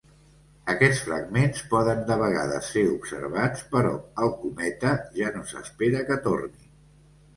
Aquests fragments poden de vegades ser observats, però el cometa ja no s'espera que torni.